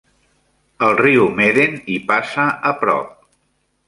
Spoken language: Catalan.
El riu Meden hi passa a prop.